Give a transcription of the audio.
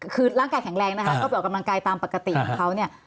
คือร่างกายแข็งแรงนะคะก็ไปออกกำลังกายตามปกติของเขาเนี่ย